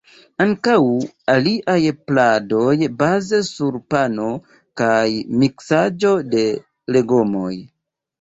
Ankaŭ aliaj pladoj baze sur pano kaj miksaĵo de legomoj.